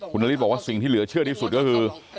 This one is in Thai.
คุณนฤทธิบอกว่าสิ่งที่เหลือเชื่อที่สุดก็คือ